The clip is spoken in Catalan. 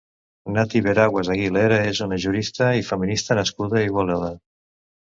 Nati Veraguas Aguilera és una jurista i feminista nascuda a Igualada.